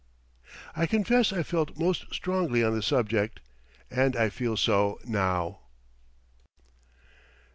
I confess I felt most strongly on the subject, and I feel so now.